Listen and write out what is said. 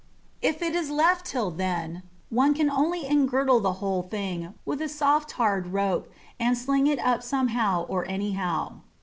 If it is left till then, one can only engirdle the whole thing with a soft tarred rope and sling it up somehow or anyhow.